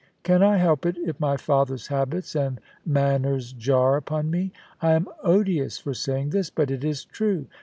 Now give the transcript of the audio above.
Can I help it if my father's habits and manners jar upon me ? I am odious for saying this, but it is true.